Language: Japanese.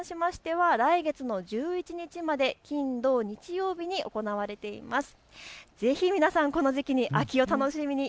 ライトアップに関しましては来月の１１日まで金土日に行われています。